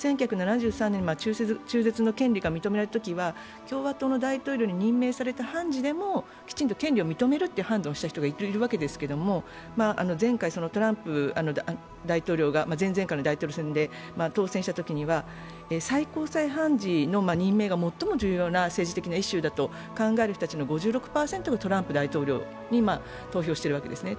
１９７３年、中絶の権利が認められたときは共和党の大統領に任命された判事でもきちんと権利を認めると言った判事がいたわけですけれども、前回、トランプ大統領が前々回の大統領選で当選したときには最高裁判事の任命が最も重要な政治的なイシューだと考える人たちの５６％がトランプ大統領に投票しているわけですね。